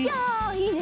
いいね！